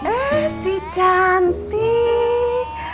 eh si cantik